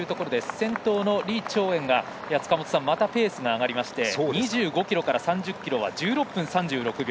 先頭の李朝燕がまたペースが上がりまして２５ｋｍから３０ｋｍは１６分３６秒。